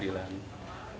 tidak sampai kepencangan